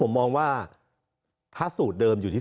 ผมมองว่าถ้าสูตรเดิมอยู่ที่